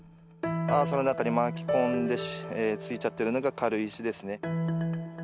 アーサの中に巻き込んでついちゃってるのが軽石ですね。